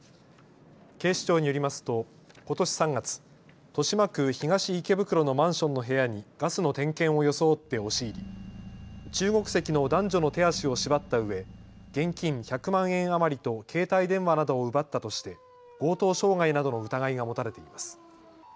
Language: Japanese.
警視庁によりますとことし３月、豊島区東池袋のマンションの部屋にガスの点検を装って押し入り中国籍の男女の手足を縛ったうえ現金１００万円余りと携帯電話などを奪ったとして強盗傷害などの疑いが持たれています。